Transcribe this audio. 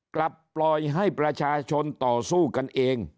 กลับปล่อยให้ประชาชนต่อสู้กันเอง